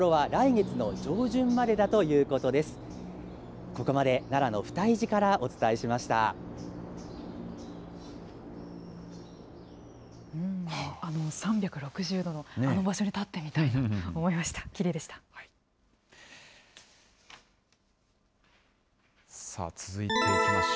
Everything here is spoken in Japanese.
あの３６０度の、あの場所に立ってみたいなと思いました。